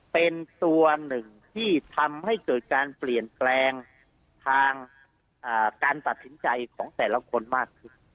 เป็นตัวหนึ่งที่ทำให้เกิดการเปลี่ยนแปลงทางการตัดสินใจของแต่ละคนมากขึ้น